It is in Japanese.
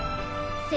せ